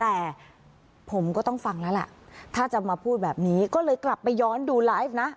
แต่ผมก็ต้องฟังแล้วล่ะถ้าจะมาพูดแบบนี้ก็เลยกลับไปย้อนดูไลฟ์นะ